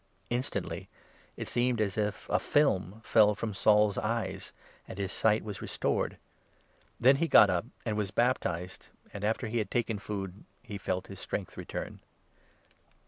Instantly it seemed as if a film fell from Saul's eyes, and his 18 sight was restored. Then he got up and was baptized, and, 19 after he had taken food, he felt his strength return.